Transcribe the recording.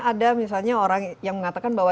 ada misalnya orang yang mengatakan bahwa